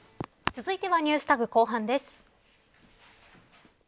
続いてはＮｅｗｓＴａｇ後半です。